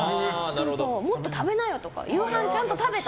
もっと食べなよとか夕飯ちゃんと食べた？